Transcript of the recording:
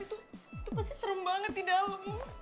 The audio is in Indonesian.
itu pasti serem banget di dalam